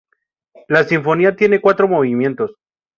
La sinfonía tiene cuatro movimientos.